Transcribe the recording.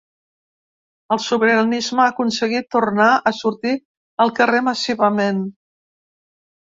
El sobiranisme ha aconseguit tornar a sortir al carrer massivament.